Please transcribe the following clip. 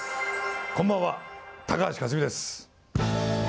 こんばんは、高橋克実です。